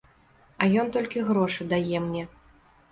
А ён толькі грошы дае мне.